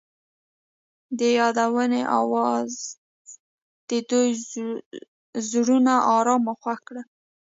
د یادونه اواز د دوی زړونه ارامه او خوښ کړل.